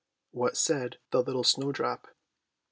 What said the little snowdrop?